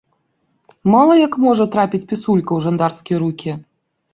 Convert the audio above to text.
Мала як можа трапіць пісулька ў жандарскія рукі!